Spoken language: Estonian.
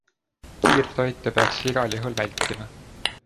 Kiirtoitu peaks igal juhul vältima.